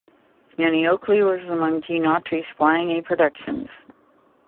"Annie Oakley" was among Gene Autry's Flying A Productions.